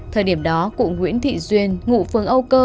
thời điểm đó cụ nguyễn thị duyên ngụ phường âu cơ